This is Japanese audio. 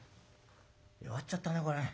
「弱っちゃったねこれ。